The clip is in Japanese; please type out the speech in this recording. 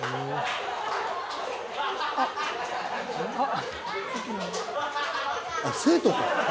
あっあっ。